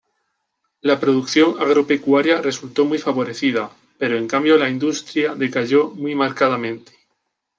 La producción agropecuaria resultó muy favorecida, pero en cambio la industria decayó muy marcadamente.